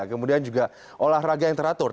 kemudian juga olahraga yang teratur